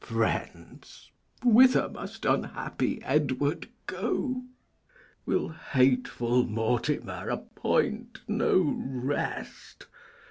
K. Edw. Friends, whither must unhappy Edward go? Will hateful Mortimer appoint no rest?